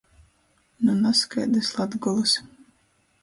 Nu naskaidys Latgolys...